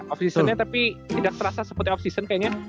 off seasonnya tapi tidak serasa seperti off season kayaknya